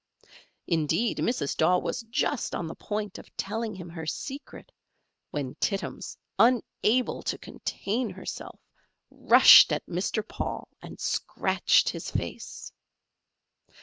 Indeed Mrs. Daw was just on the point of telling him her secret, when Tittums, unable to contain herself, rushed at Mr. Paul and scratched his face.